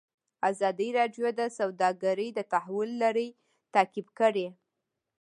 ازادي راډیو د سوداګري د تحول لړۍ تعقیب کړې.